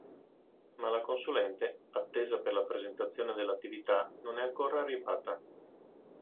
Ma la consulente, attesa per la presentazione dell’attività, non è ancora arrivata.